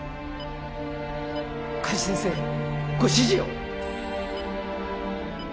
加地先生ご指示を！